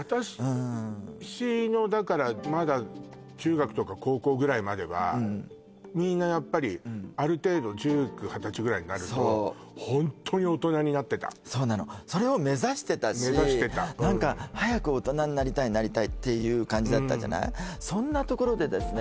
私のだからまだ中学とか高校ぐらいまではみんなやっぱりある程度１９２０歳ぐらいになるとホントに大人になってたそうなのそれを目指してたし目指してた何か早く大人になりたいっていう感じだったじゃないそんなところでですね